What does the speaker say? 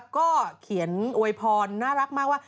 ก็เขียนอวยพรน่ารักมากว่า